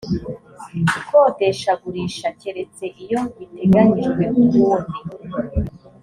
ikodeshagurisha keretse iyo biteganyijwe ukundi